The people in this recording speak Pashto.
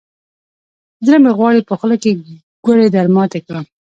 زړه مې غواړي، په خوله کې ګوړې درماتې کړم.